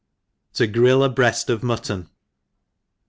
To grill a Breast ^ Muttow.